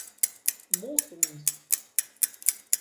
Monções